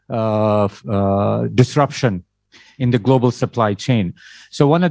yang menyebabkan kegagalan di kumpulan pengeluaran global